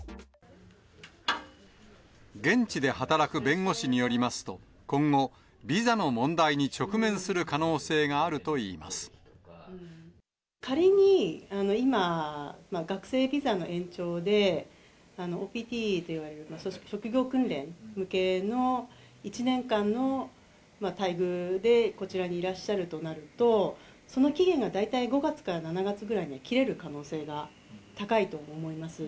現地で働く弁護士によりますと、今後、ビザの問題に直面する可能仮に今、学生ビザの延長で、ＯＰＴといわれる職業訓練向けの１年間の待遇でこちらにいらっしゃるとなると、その期限が大体、５月から７月ぐらいには切れる可能性が高いと思います。